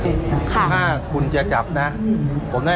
คุณต้องไปคุยกับทางเจ้าหน้าที่เขาหน่อย